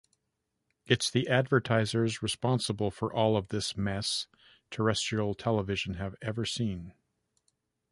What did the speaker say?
It’s the advertisers responsible for all of this mess terrestrial television have ever seen.